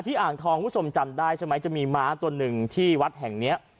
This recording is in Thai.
อ่างทองคุณผู้ชมจำได้ใช่ไหมจะมีม้าตัวหนึ่งที่วัดแห่งเนี้ย